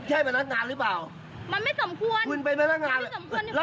ไม่ใช่พี่ไม่ได้เมา